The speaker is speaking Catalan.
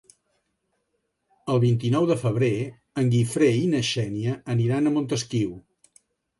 El vint-i-nou de febrer en Guifré i na Xènia aniran a Montesquiu.